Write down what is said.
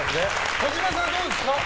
児嶋さん、どうですか？